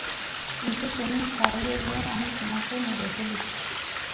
কিন্তু তুমি চাইবে যে আমি তোমাকে মেরে ফেলি।